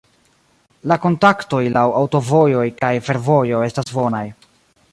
La kontaktoj laŭ aŭtovojoj kaj fervojoj estas bonaj.